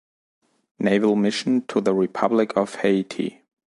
Naval Mission to the Republic of Haiti.